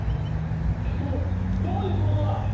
どどういうことだ？